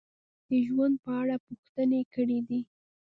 د ژوند په اړه پوښتنې کړې دي: